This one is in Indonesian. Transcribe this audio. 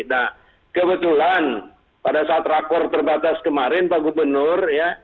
nah kebetulan pada saat rakor terbatas kemarin pak gubernur ya